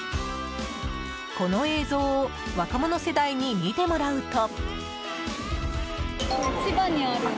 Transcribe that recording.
この映像を若者世代に見てもらうと。